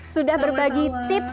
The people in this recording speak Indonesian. sudah berbagi tips